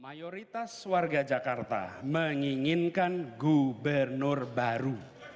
mayoritas warga jakarta menginginkan gubernur baru